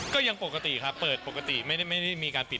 ก็ยังปกติครับเปิดปกติไม่ได้มีการปิด